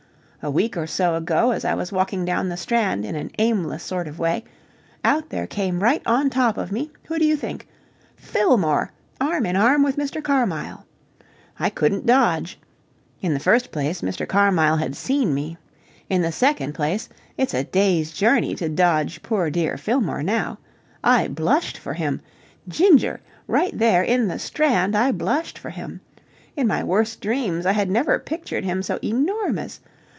A week or so ago, as I was walking down the Strand in an aimless sort of way, out there came right on top of me who do you think? Fillmore, arm in arm with Mr. Carmyle! I couldn't dodge. In the first place, Mr. Carmyle had seen me; in the second place, it is a day's journey to dodge poor dear Fillmore now. I blushed for him. Ginger! Right there in the Strand I blushed for him. In my worst dreams I had never pictured him so enormous.